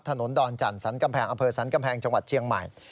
ถนนดอนจันทร์สรรค์กำแพงอเภอสรรค์กำแพงจังหวัดเชียงใหม่